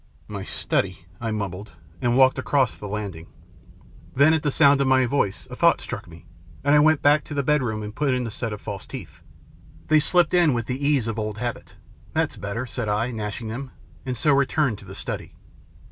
" My study," I mumbled, and walked across the landing. Then at the sound of my voice a thought struck me, and I went back to the bedroom and put in the set of false teeth. They slipped in with the ease of old habit. " That's better," said I, gnashing them, and so returned to the study.